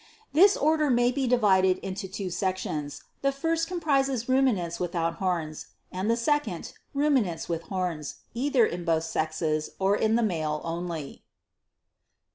11. This order may be divided into two sections: the first comprises Ruminants without horns, and the second, Ruminants with horns, either in both sexes, or in the male only.